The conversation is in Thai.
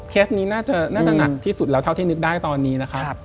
นี้น่าจะหนักที่สุดแล้วเท่าที่นึกได้ตอนนี้นะครับ